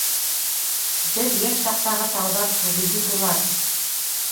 Беҙ йәш саҡтағы тауҙар түгел бит улар!